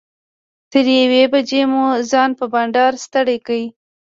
تر یوې بجې مو ځان په بنډار ستړی کړ.